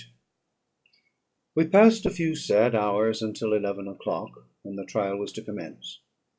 We passed a few sad hours, until eleven o'clock, when the trial was to commence.